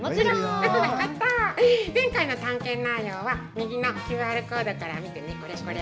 前回の探検内容は右のＱＲコードから見てみて。